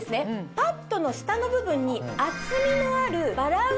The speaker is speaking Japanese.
パッドの下の部分に厚みのある。